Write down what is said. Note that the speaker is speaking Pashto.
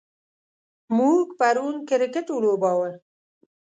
موږ پرون کرکټ ولوباوه.